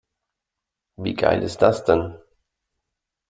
Wie geil ist das denn?